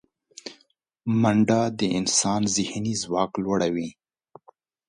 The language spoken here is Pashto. منډه د انسان ذهني ځواک لوړوي